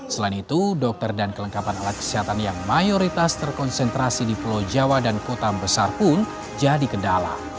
selain itu dokter dan kelengkapan alat kesehatan yang mayoritas terkonsentrasi di pulau jawa dan kota besar pun jadi kendala